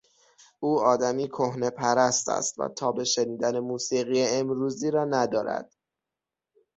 او آدمی کهنهپرست است و تاب شنیدن موسیقی امروزی را ندارد.